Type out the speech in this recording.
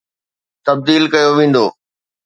تبديل ڪيو ويندو.